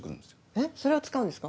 えっそれを使うんですか？